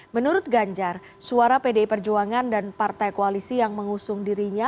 menurut ganjar suara pdi perjuangan dan partai koalisi yang mengusung dirinya